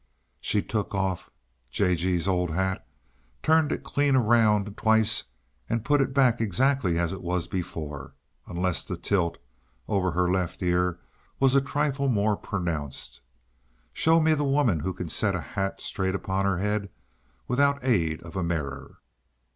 She took off J. G.'s old hat, turned it clean around twice and put it back exactly as it was before; unless the tilt over her left ear was a trifle more pronounced. Show me the woman who can set a hat straight upon her head without aid of a mirror!